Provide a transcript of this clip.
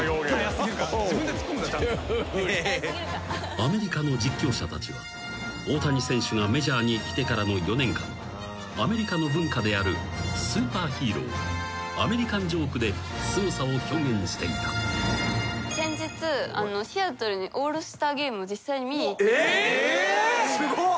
［アメリカの実況者たちは大谷選手がメジャーに来てからの４年間アメリカの文化であるスーパーヒーローアメリカンジョークですごさを表現していた］えっ！？すごっ。